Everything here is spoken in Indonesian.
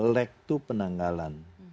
lek itu penanggalan